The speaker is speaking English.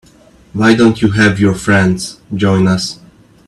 Why don't you have your friends join us?